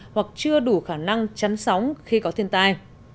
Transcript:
hoặc chưa đủ khả năng chắn sóng khi có thiên tai